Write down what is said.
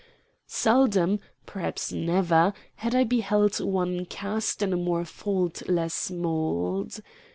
Seldom, perhaps never, had I beheld one cast in a more faultless mold.